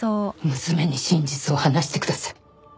娘に真実を話してください。